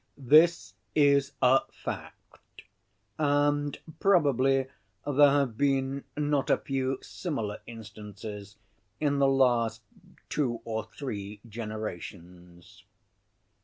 This is a fact, and probably there have been not a few similar instances in the last two or three generations.